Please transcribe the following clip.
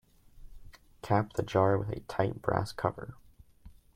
Cap the jar with a tight brass cover.